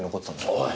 おい！